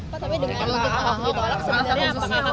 pak tapi dengan alat alat sebenarnya apa